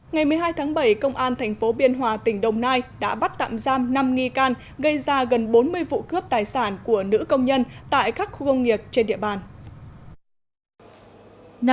ngày một mươi hai tháng bảy công an tp biên hòa tỉnh đồng nai đã bắt tạm giam năm nghi can gây ra gần bốn mươi vụ cướp tài sản của nữ công nhân tại các khu công nghiệp trên địa bàn